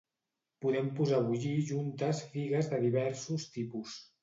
Podem posar a bullir juntes figues de diversos tipus.